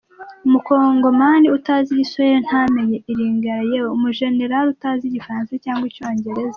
Umukongomani utazi igiswahili, ntamenye ilingala, yewe umujenerali utazi igifaransa cyangwa icyongereza?